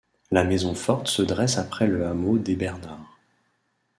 La maison forte se dresse après le hameau des Bernards.